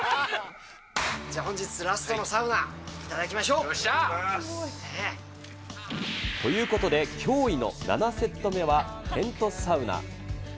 じゃあ本日ラストのサウナ、ということで、驚異の７セット目はテントサウナ。